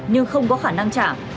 nhưng không có khả năng trả